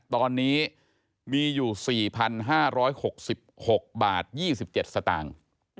ตอนนี้มีอยู่๔๕๖๖บาท๒๗สตางค์